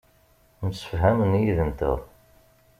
Msefhamen yid-nteɣ.